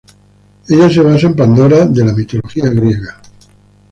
Ella se basa en Pandora de la mitología griega.